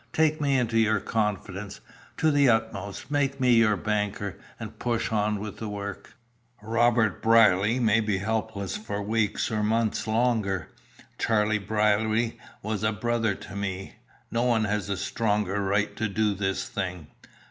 Take me into your confidence, to the utmost, make me your banker, and push on the work. Robert Brierly may be helpless for weeks or months longer. Charlie Brierly was a brother to me. No one has a stronger right to do this thing."